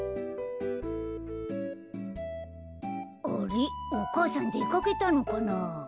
あれっお母さんでかけたのかな。